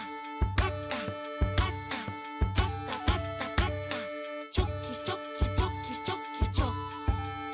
「パタパタパタパタパタ」「チョキチョキチョキチョキチョキ」